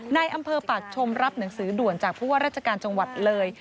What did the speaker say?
ในอำเภอปากชมรับหนังสือด่วนจากผู้ว่าราชการจังหวัดเลย